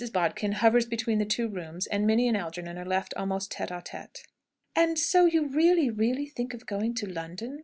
Bodkin hovers between the two rooms, and Minnie and Algernon are left almost tête à tête. "And so you really, really think of going to London?"